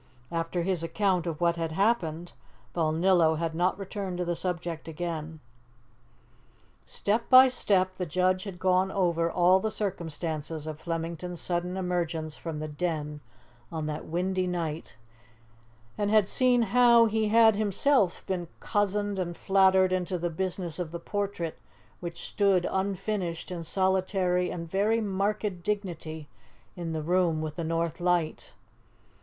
After his account of what had happened, Balnillo had not returned to the subject again. Step by step the judge had gone over all the circumstances of Flemington's sudden emergence from the Den on that windy night, and had seen how he had himself been cozened and flattered into the business of the portrait which stood unfinished, in solitary and very marked dignity, in the room with the north light.